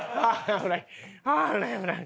危ない危ない。